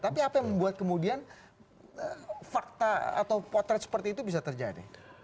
tapi apa yang membuat kemudian fakta atau potret seperti itu bisa terjadi